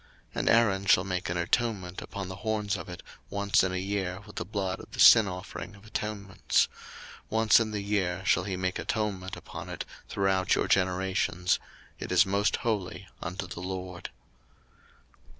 02:030:010 And Aaron shall make an atonement upon the horns of it once in a year with the blood of the sin offering of atonements: once in the year shall he make atonement upon it throughout your generations: it is most holy unto the LORD.